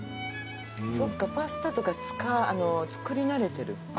そっかパスタとか作り慣れてる？